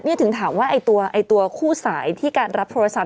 เนี้ยถึงถามว่าไอ้ตัวไอ้ตัวคู่สายที่การรับโทรศัพท์